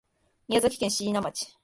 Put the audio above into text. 宮崎県椎葉村